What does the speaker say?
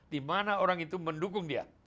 di mana orang itu mendukung dia